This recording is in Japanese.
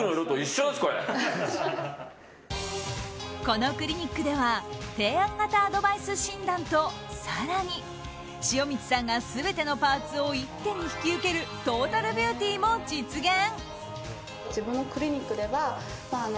このクリニックでは提案型アドバイス診断と更に、塩満さんが全てのパーツを一手に引き受けるトータルビューティーも実現。